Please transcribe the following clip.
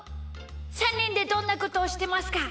３にんでどんなことをしてますか？